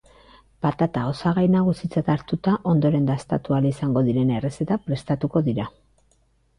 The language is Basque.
Patata osagai nagusitzat hartuta ondoren dastatu ahal izango diren errezetak prestatuko dira.